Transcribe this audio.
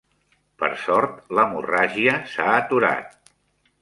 Per sort, l'hemorràgia s'ha aturat.